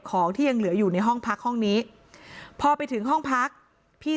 ของที่ยังเหลืออยู่ในห้องพักห้องนี้พอไปถึงห้องพักพี่